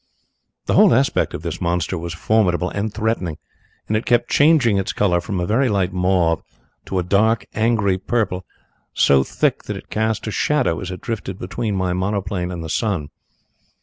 "The whole aspect of this monster was formidable and threatening, and it kept changing its colour from a very light mauve to a dark, angry purple so thick that it cast a shadow as it drifted between my monoplane and the sun.